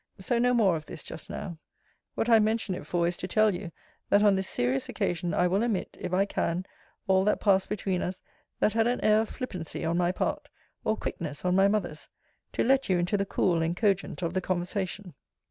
So no more of this just now. What I mention it for, is to tell you, that on this serious occasion I will omit, if I can, all that passed between us, that had an air of flippancy on my part, or quickness on my mother's, to let you into the cool and cogent of the conversation.